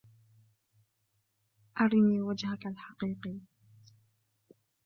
أرني وجهك الحقيقي.